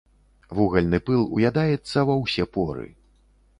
Вугальны пыл ўядаецца ва ўсе поры.